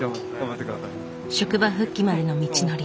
職場復帰までの道のり。